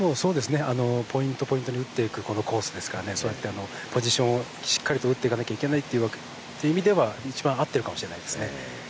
ポイント、ポイントに打っていくこのコースですからポジションをしっかり打っていかなければいけないっていう意味では一番合ってるかもしれないですね。